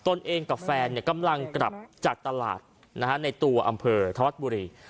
เองกับแฟนกำลังกลับจากตลาดในตัวอำเภอธวัฒน์บุรี